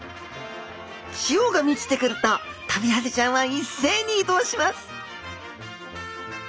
潮が満ちてくるとトビハゼちゃんは一斉に移動します